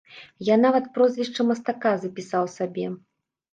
Я нават прозвішча мастака запісаў сабе.